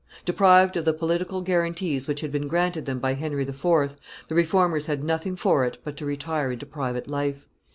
Deprived of the political guarantees which had been granted them by Henry IV., the Reformers had nothing for it but to retire into private life.